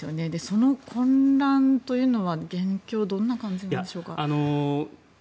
その混乱というのは現況どのような感じでしょうか。